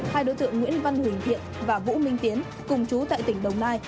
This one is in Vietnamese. hai đối tượng nguyễn văn huỳnh thiện và vũ minh tiến cùng chú tại tỉnh đồng nai